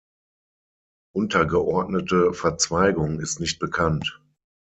Untergeordnete Verzweigung ist nicht bekannt.